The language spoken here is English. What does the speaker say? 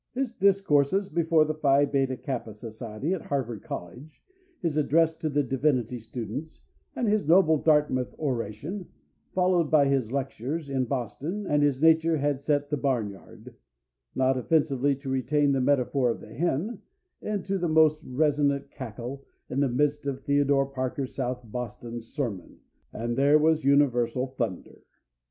His discourses before the Phi Beta Kappa Society at Harvard College, his address to the divinity students, and his noble Dartmouth oration, followed by his lectures in Boston and his Nature had set the barn yard not offensively to retain the metaphor of the hen into the most resonant cackle, in the midst of Theodore Parker's South Boston sermon, and there was universal thunder.